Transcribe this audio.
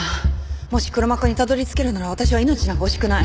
もし黒幕にたどり着けるなら私は命なんか惜しくない。